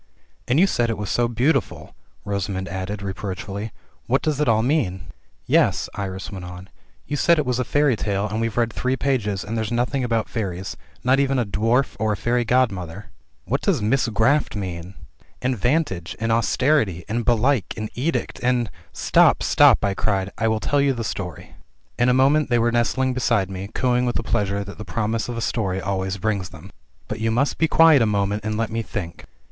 "And you said it was so beautiful," Rosamund added, reproach fully. "What does it all mean?" "Yes," Iris went on, "you said it was a fairy tale, and we've read three pages, and there's nothing about fairies, not even a dwarf, or a fairy god mother." "And what does 'misgraffed' mean?" "And 'vantage,' and 'austerity,' and 'belike,' and 'edict,' and —■" "Stop, stop," I cried ; "I will tell you the story." In a moment they were nestling beside me, cooing with the pleas ure that the promise of a story always brings them. 6 INTRODUCTION. "But you must be quiet a moment, and let me think."